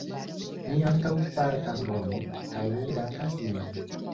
Mi ankaŭ fartas bone, kaj mi dankas Dion.